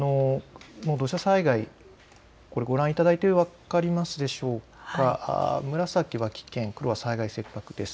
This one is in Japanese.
土砂災害、ご覧いただいて分かりますでしょうか、紫が危険、黒が災害切迫です。